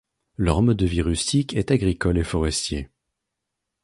Leur mode de vie rustique est agricole et forestier.